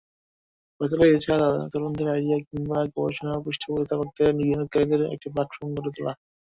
ফয়সালের ইচ্ছা তরুণদের আইডিয়া কিংবা গবেষণাকে পৃষ্ঠপোষকতা করতে বিনিয়োগকারীদের একটি প্ল্যাটফরম গড়ে তোলা।